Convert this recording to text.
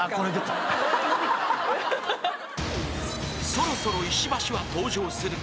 ［そろそろ石橋は登場するか？］